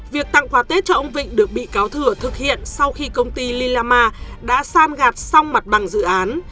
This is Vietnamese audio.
việc tặng quà tết cho ông vịnh được bị cáo thừa thực hiện sau khi công ty lila ma đã san gạt xong mặt bằng dự án